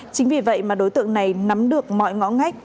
chính vì vậy mà đối tượng này nắm được mọi ngõ ngách